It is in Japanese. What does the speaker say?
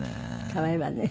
可愛いわね。